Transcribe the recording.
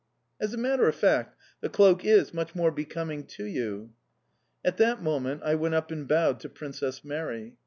"As a matter of fact, the cloak is much more becoming to you"... At that moment I went up and bowed to Princess Mary.